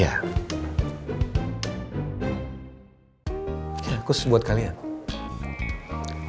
ya khusus buat kalian